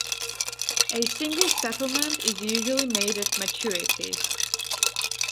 A single settlement is usually made at maturity.